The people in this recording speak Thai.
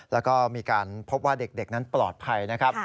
แล้วก็มีการพบว่าเด็กนั้นปลอดภัยนะครับ